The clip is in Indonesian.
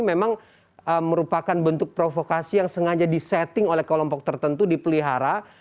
memang merupakan bentuk provokasi yang sengaja disetting oleh kelompok tertentu dipelihara